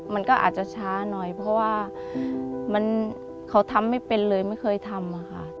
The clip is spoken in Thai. มันก็อาจจะช้าหน่อยเพราะว่าเขาทำไม่เป็นเลยไม่เคยทำค่ะ